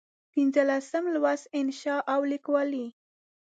پنځلسم لوست: انشأ او لیکوالي